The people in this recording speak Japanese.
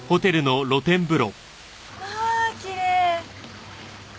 まあきれい。